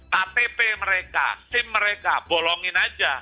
ktp mereka sim mereka bolongin aja